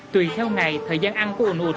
tùy theo ngày thời gian ăn của unut